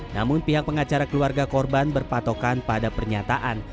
namun pihak pengacara keluarga korban berpatokan pada pernyataan